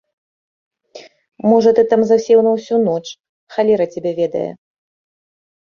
Можа, ты там засеў на ўсю ноч, халера цябе ведае.